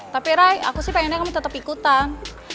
tapi ray aku sih pengennya kami tetap ikutan